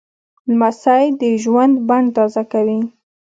لمسی د ژوند بڼ تازه کوي.